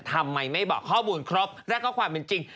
ทำไมไม่บอกข้อมูลครบและข้อความเป็นจริง